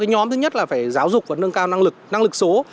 nhóm thứ nhất là phải giáo dục và nâng cao năng lực số